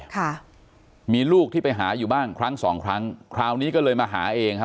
ค่ะมีลูกที่ไปหาอยู่บ้างครั้งสองครั้งคราวนี้ก็เลยมาหาเองฮะ